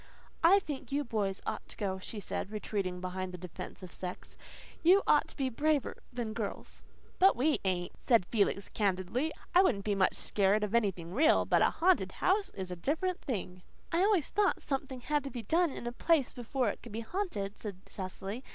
"I think you boys ought to go," she said, retreating behind the defence of sex. "You ought to be braver than girls." "But we ain't," said Felix candidly. "I wouldn't be much scared of anything REAL. But a haunted house is a different thing." "I always thought something had to be done in a place before it could be haunted," said Cecily.